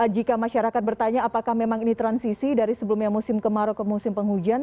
jika masyarakat bertanya apakah memang ini transisi dari sebelumnya musim kemarau ke musim penghujan